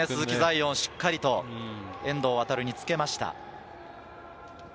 艶、しっかりと遠藤航につけました。